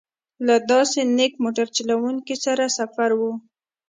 له داسې نېک موټر چلوونکي سره سفر و.